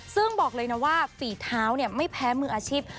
ซึ่งบอกเลยนะว่าฝีเท้าไม่แพ้มืออาชีพ